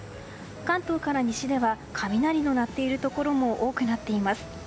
関東から西では雷の鳴っているところも多くなっています。